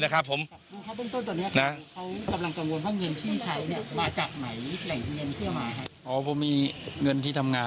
ด้วยหลักฟับอะไรยังไงบ้างคะ